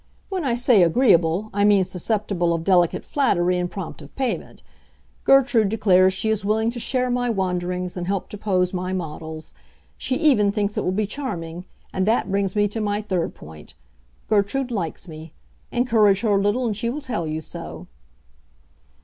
When I say agreeable, I mean susceptible of delicate flattery and prompt of payment. Gertrude declares she is willing to share my wanderings and help to pose my models. She even thinks it will be charming; and that brings me to my third point. Gertrude likes me. Encourage her a little and she will tell you so."